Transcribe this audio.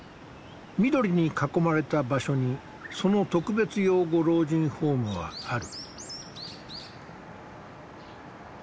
緑に囲まれた場所にその特別養護老人ホームはある。